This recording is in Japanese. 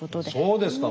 そうですか。